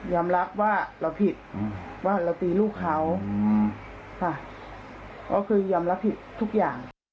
รับว่าเราผิดว่าเราตีลูกเขาค่ะก็คือยอมรับผิดทุกอย่าง